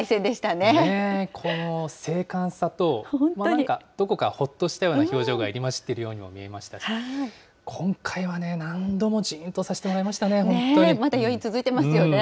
ねえ、この精かんさと、どこかほっとしたような表情が入り交じっているようにも見えましたし、今回はね、何度もじーんとさせてもらいましまだ余韻、続いてますよね。